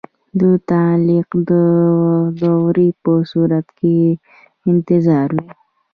د تعلیق د دورې په صورت کې انتظار وي.